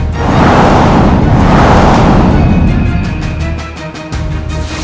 kalian membangunkan macan yang sedang tidur